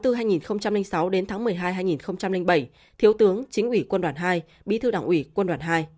từ hai nghìn sáu đến tháng một mươi hai hai nghìn bảy thiếu tướng chính ủy quân đoàn hai bí thư đảng ủy quân đoàn hai